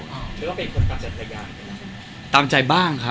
หรือว่าเป็นคนตามใจบ้าง